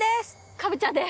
カブちゃんです。